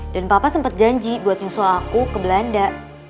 dan papa sempet janji buat nyusul aku ke belanda